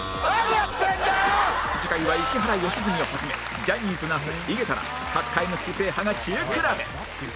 次回は石原良純を始めジャニーズ那須井桁ら各界の知性派が知恵比べ